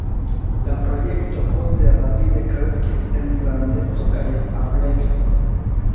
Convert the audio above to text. La projekto poste rapide kreskis en grandeco kaj amplekso.